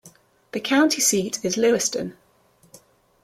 The county seat is Lewiston.